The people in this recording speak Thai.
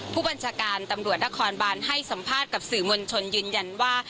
ผู้บัญชาการตำรวจนครบานให้สัมภาษณ์กับสื่อมวลชนยืนยันว่า